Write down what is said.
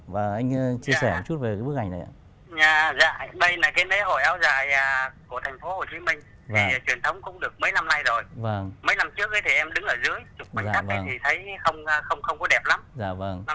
và anh chia sẻ một chút về cái bức ảnh này ạ